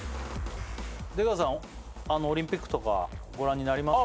出川さんオリンピックとかご覧になりましたか？